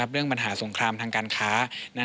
เรื่องปัญหาสงครามทางการค้า